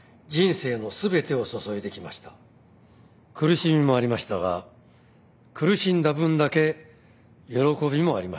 「苦しみもありましたが苦しんだ分だけ喜びもありました」